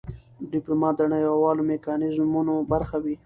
ډيپلومات د نړېوالو میکانیزمونو برخه وي.